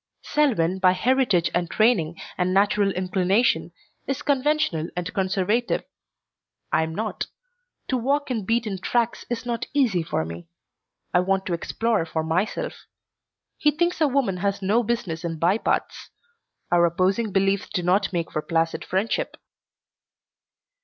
Selwyn by heritage and training and natural inclination is conventional and conservative. I am not. To walk in beaten tracks is not easy for me. I want to explore for myself. He thinks a woman has no business in by paths. Our opposing beliefs do not make for placid friendship.